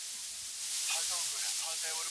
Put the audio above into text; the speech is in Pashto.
په خپل ځان کې د زغم خصلت پیدا کړه.